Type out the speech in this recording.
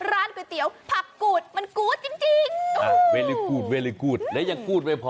ร้านก๋วยเตี๋ยวผักกูดมันกูดจริง